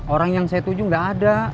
orang yang saya tuju nggak ada